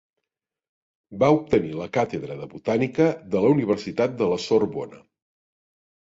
Va obtenir la càtedra de botànica de la Universitat de la Sorbona.